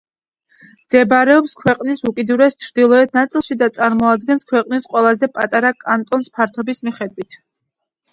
მდებარეობს ქვეყნის უკიდურეს ჩრდილოეთ ნაწილში და წარმოადგენს ქვეყნის ყველაზე პატარა კანტონს ფართობის მიხედვით.